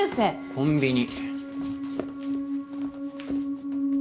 コンビニ。